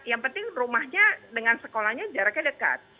yang penting rumahnya dengan sekolahnya jaraknya dekat